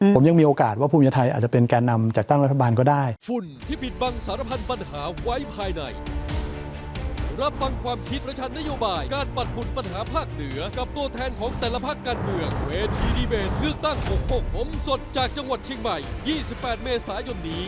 ผมยังมีโอกาสว่าภูมิใจไทยอาจจะเป็นแก่นำจัดตั้งรัฐบาลก็ได้